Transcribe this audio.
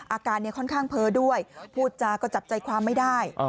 อาการค่อนข้างเพ้อด้วยพูดจาก็จับใจความไม่ได้